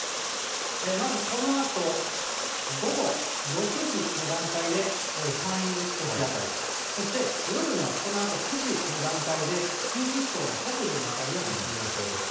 まず、このあと午後６時の段階で、山陰沖辺り、そして、夜のこのあと９時の段階で近畿地方の北部の辺りを進む予想です。